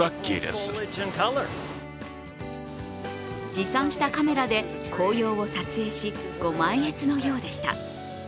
持参したカメラで紅葉を撮影し、ご満悦のようでした。